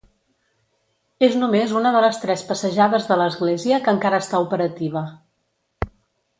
És només una de les tres passejades de l'església que encara està operativa.